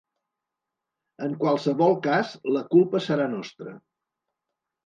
En qualsevol cas la culpa serà nostra.